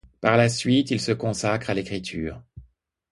Par la suite, il se consacre à l'écriture.